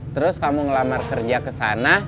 terus kamu ngelamar kerja ke sana